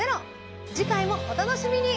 次回もお楽しみに。